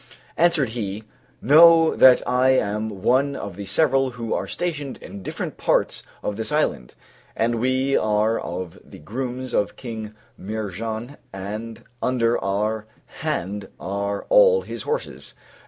Answered he, "Know that I am one of the several who are stationed in different parts of this island, and we are of the grooms of King Mihrján, and under our hand are all his horses....